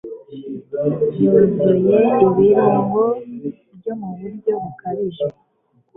yuzuye ibirungo ku buryo bukabije,